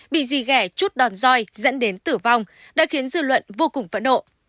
bị di ghẻ chút đòn roi dẫn đến tử vong đã khiến dư luận vô cùng phẫn độ